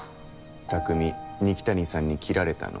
匠二木谷さんに切られたの？